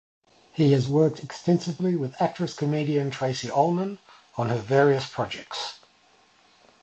He has worked extensively with actress-comedian Tracey Ullman, on her various projects.